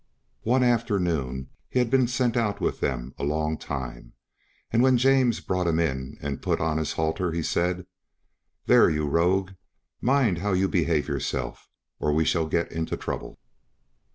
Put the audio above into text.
One afternoon he had been sent out with them a long time, and when James brought him in and put on his halter, he said: "There, you rogue, mind how you behave yourself, or we shall get into trouble."